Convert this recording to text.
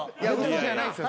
嘘じゃないんですよ。